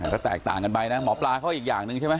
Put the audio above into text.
ก็แตกต่างกันไปนะหมอปลาเขาอีกอย่างหนึ่งใช่ไหม